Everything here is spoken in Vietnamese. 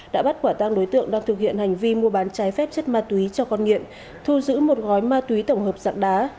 đã bắt quả tăng đối tượng đang thực hiện hành vi mua bán trái phép chất ma túy cho con nghiện thu giữ một gói ma túy tổng hợp dạng đá